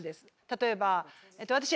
例えば私。